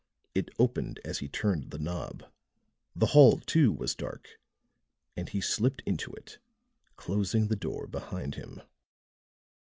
It opened as he turned the knob; the hall too was dark, and he slipped into it, closing the door behind him.